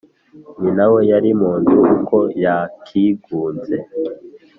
Nyina, we yari mu nzu Uko yakigunze